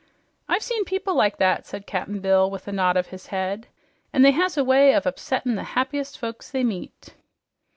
"I've seen people like that," said Cap'n Bill with a nod of his head. "An' they has a way of upsettin' the happiest folks they meet."